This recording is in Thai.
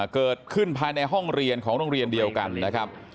ภายในห้องเรียนของโรงเรียนเดียวกันนะครับ